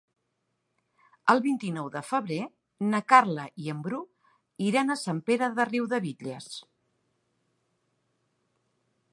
El vint-i-nou de febrer na Carla i en Bru iran a Sant Pere de Riudebitlles.